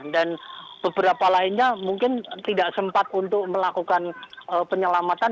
dan beberapa lainnya mungkin tidak sempat untuk melakukan penyelamatan